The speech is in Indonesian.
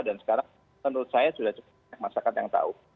dan sekarang menurut saya sudah cukup banyak masyarakat yang tahu